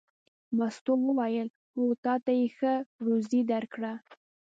مستو وویل: هو تا ته یې ښه روزي درکړه.